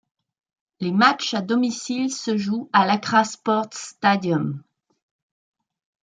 Les matchs à domicile se jouent à l'Accra Sports Stadium.